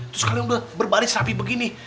terus kalian berbalik sapi begini